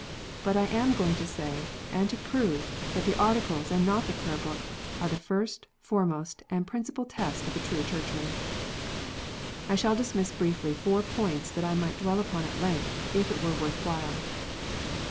But I am going to say, and to prove, that the Articles, and not the Prayer book, are the first, foremost, and principal test of a true Churchman. I shall dismiss briefly four points that I might dwell upon at length, if it were worth while.